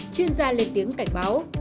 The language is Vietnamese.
chuyên gia lên tiếng cảnh báo